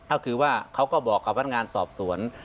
อักคือว่าเค้าก็บอกความพรรดิงานสอบสวน